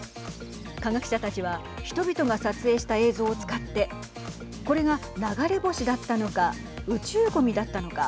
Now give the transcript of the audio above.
科学者たちは人々が撮影した映像を使ってこれが、流れ星だったのか宇宙ごみだったのか。